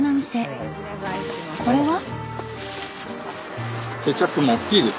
これは？